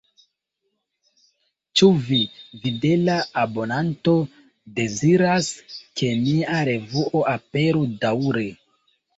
Ĉu vi, fidela abonanto, deziras, ke nia revuo aperu daŭre?